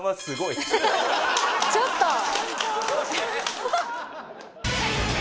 ちょっと！